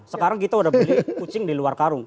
sekarang kita udah beli kucing di luar karung